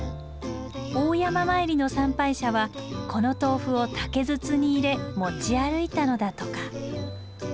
大山詣りの参拝者はこの豆腐を竹筒に入れ持ち歩いたのだとか。